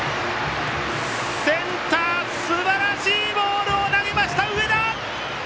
センター、すばらしいボールを投げました、上田！